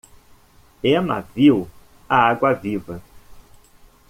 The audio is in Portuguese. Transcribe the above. Emma viu a água-viva.